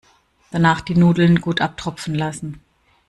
Danach die Nudeln gut abtropfen lassen.